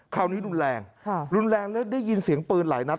คราวนี้รุนแรงรุนแรงแล้วได้ยินเสียงปืนหลายนัด